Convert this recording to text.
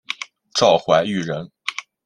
赵怀玉人。